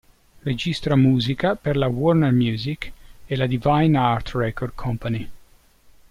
Registra musica per la Warner Music e la Divine Art Record Company.